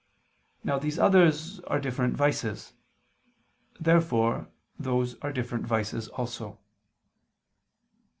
Now these others are different vices. Therefore those are different vices also.